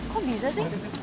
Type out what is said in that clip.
kok bisa sih